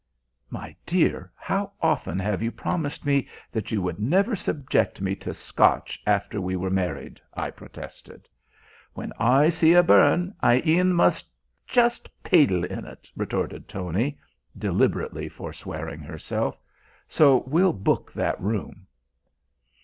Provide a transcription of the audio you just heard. "My dear, how often have you promised me that you would never subject me to Scotch after we were married!" I protested. "When I see a burn I e'en must juist paidle in it," retorted Tony, deliberately forswearing herself. "So we'll book that room."